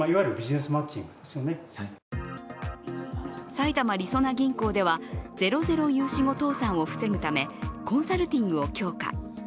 埼玉りそな銀行ではゼロゼロ融資後倒産を防ぐためコンサルティングを強化。